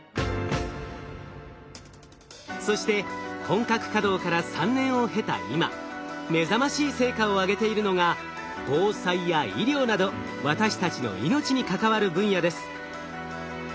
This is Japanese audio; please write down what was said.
そして本格稼働から３年を経た今目覚ましい成果をあげているのが防災や医療など私たちの命に関わる分野です。